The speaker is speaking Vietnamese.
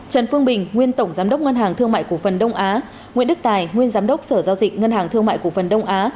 trần phương bình nguyên tổng giám đốc ngân hàng thương mại cổ phần đông á nguyễn đức tài nguyên giám đốc sở giao dịch ngân hàng thương mại cổ phần đông á